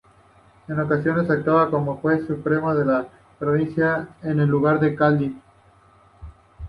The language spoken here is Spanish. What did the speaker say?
En ocasiones actuaba como juez supremo de la provincia, en lugar del cadí.